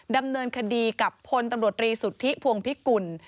ดำเนินคดีกับพลตำรวจรีสุทธิพวงพิกุล